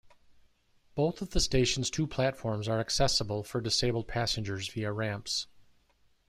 Both of the station's two platforms are accessible for disabled passengers via ramps.